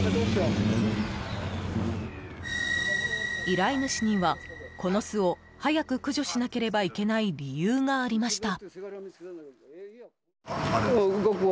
依頼主には、この巣を早く駆除しなければいけない理由がありました。